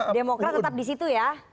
demokrat tetap di situ ya